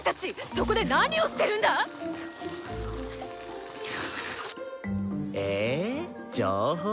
そこで何をしてるんだ⁉えー？情報？